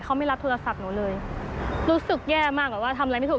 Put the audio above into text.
เขาไม่รับโทรศัพท์หนูเลยรู้สึกแย่มากแบบว่าทำอะไรไม่ถูก